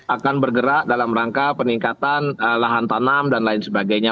akan bergerak dalam rangka peningkatan lahan tanam dan lain sebagainya